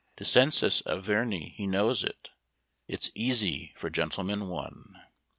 Descensus Averni he knows it; It's easy for "Gentleman, One".